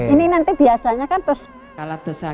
ini nanti biasanya kan terus